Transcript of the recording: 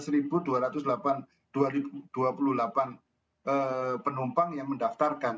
jadi sekitar seribu dua ratus delapan puluh delapan penumpang yang mendaftarkan